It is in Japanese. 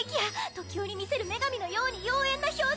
時折見せる女神のように妖艶な表情